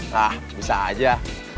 nah bisa aja